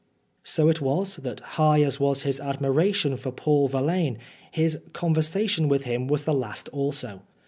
So it was, that high as was his admira tion for Paul Verlaine, his first conversation with him was the last also.